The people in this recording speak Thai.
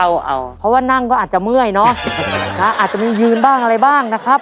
เอาเพราะว่านั่งก็อาจจะเมื่อยเนอะอาจจะมียืนบ้างอะไรบ้างนะครับ